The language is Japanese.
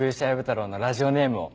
太郎のラジオネームを。